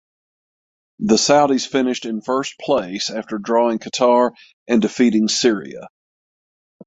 The Saudis finished in first place after drawing Qatar and defeating Syria.